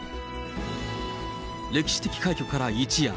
歴史的快挙から一夜。